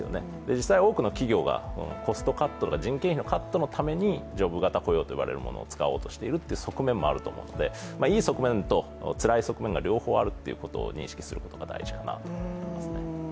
実際、多くの企業がコストカットだとか人件費のカットのためにジョブ型雇用といわれるものを使おうとしているというのもあると思うのでいい側面とつらい側面が両方あるってことを認識することが大事かなと思いますね。